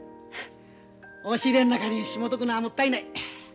押し入れの中にしもうとくのはもったいない。